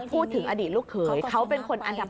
พูดถึงอดีตลูกเขยเขาเป็นคนอันดับ๓